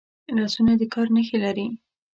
لاسونه د کار نښې لري